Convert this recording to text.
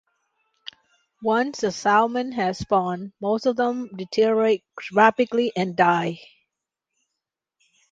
Once the salmon have spawned, most of them deteriorate rapidly and die.